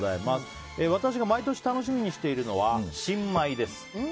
私の毎年楽しみにしているのは新米です。